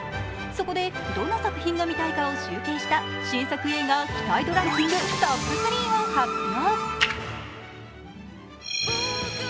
そこでどの作品が見たいかを集計した、新作映画期待度ランキングトップ３を発表。